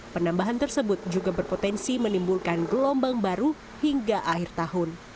penambahan tersebut juga berpotensi menimbulkan gelombang baru hingga akhir tahun